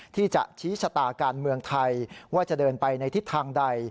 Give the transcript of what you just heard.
ที่จะชี้ชะตาการเมืองไทยว่าจะเดินไปในทิศทางใด